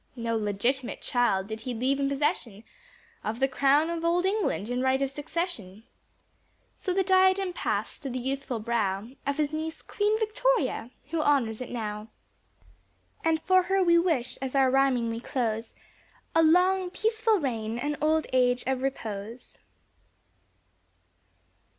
No legitimate child did he leave in possession Of the Crown of old England, in right of succession; So the diadem passed to the youthful brow Of his niece Queen Victoria, who honors it now; And for her we wish, as our rhyming we close, A long, peaceful reign an old age of repose.